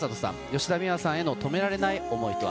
吉田美和さんへの止められない思いとは。